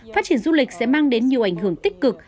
phát triển du lịch sẽ mang đến nhiều ảnh hưởng tích cực